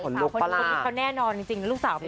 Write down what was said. ขนลูกปลาร่าแน่นอนจริง